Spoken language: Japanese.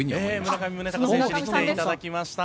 村上宗隆選手に来ていただきました。